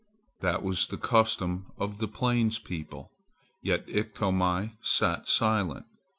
That was the custom of the plains people. Yet Iktomi sat silent.